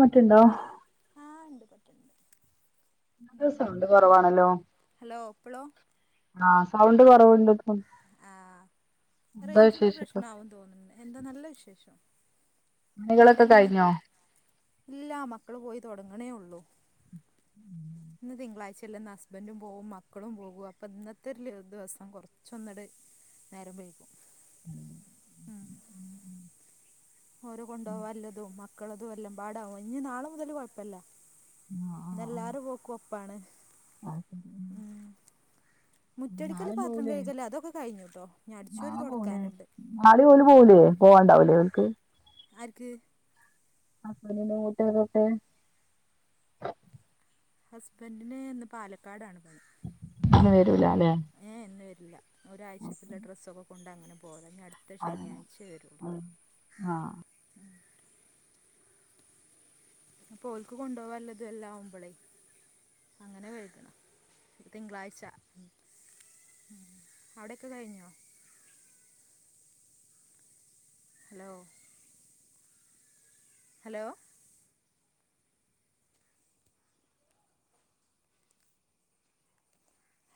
മാറ്റ്ണ്ടോ ആഹ് ഇണ്ട് പറ്റ്ണ്ണ്ട് സൗണ്ട് കൊറവാണല്ലോ ഹലോ ഇപ്പളോ ആഹ് സൗണ്ട് കൊറവ്ണ്ട് ആഹ് റേഞ്ചിന്റെ വിശേഷൊക്കെ പ്രശ്നമാവ്ന്ന് തോന്ന്ണ്ട് എന്താ നല്ല വിശേഷം അവിടെ പണികളൊക്കെ എങ്ങനെ കഴിഞ്ഞോ ഇല്ലാ മക്കള് പോയി തൊടങ്ങണേ ഒള്ളൂ ഇമ് ഇന്ന് തിങ്കളാഴ്ച്ച അല്ലേന്ന് ഹസ്ബന്റ്റും പോവും മക്കളും പോകും അപ്പൊ ഇന്നത്തെ ദിവസം കുറച്ചൊന്ന്ട് നേരം പോയിക്കും അഹ് ഇമ് ഓര്കൊണ്ടവാല്ലതും മക്കളതും എല്ലാം പാടാവു ഇനി നാളെ മുതല് കൊഴപ്പില്ല ആഹ് ഇന്നെല്ലാരെ ആഹ് പോകൊപ്പാണ് ഇമ് നാളേം പോവൂല്ലെ കഴുകല് അതൊക്കെ കഴിഞ്ഞുട്ടോ ഇഞ്ഞ് അടിച്ചോരി നാളെ പോവും ല്ലേ തൊടക്കാന്ണ്ട് നാളെ ഓല് പോവുല്ലേ പോവണ്ടാവുലെ ഒള്ക് ആര്ക്ക് [unintelligible] ഹസ്ബൻഡിന് ഇന്ന് പാലക്കാടാണ് പണി നാളെ വരൂല്ലാല്ലെ ഏഹ് ഇന്ന് വരില്ല ഒരാഴ്ചക്കില്ലേ ഡ്രസ്സൊക്കെ കൊണ്ട് അങ്ങനെ പോവല ഇഞ്ഞടുത്ത- അങ്ങനെ അഹ് ആഹ് അപ്പോൽക്ക് കൊണ്ടാവാനൊള്ളതും എല്ലാവുംമ്പളെ അങ്ങനെ കഴുതണം ഇത് തിങ്കളാഴ്ച അവിടെക്കെ കഴിഞ്ഞോ ഹലോ ഹലോ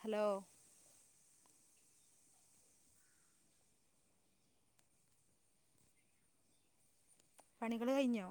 ഹലോ പണികള് കഴിഞ്ഞോ